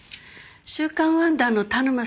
『週刊ワンダー』の田沼さん